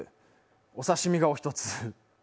お刺身がお一つ